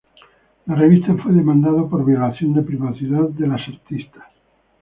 La revista fue demandada por violación de privacidad de las artistas.